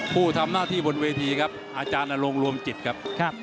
ผู้ทำหน้าที่บนเวทีครับอาจารย์นโรงรวมจิตครับ